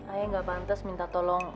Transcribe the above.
ayah gak pantas minta tolong